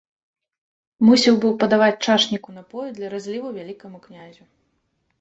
Мусіў быў падаваць чашніку напоі для разліву вялікаму князю.